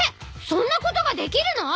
そんなことができるの！？